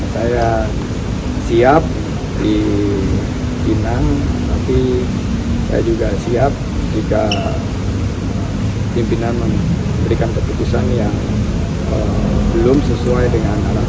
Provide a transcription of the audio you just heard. saya siap dipinang tapi saya juga siap jika pimpinan memberikan keputusan yang belum sesuai dengan arahan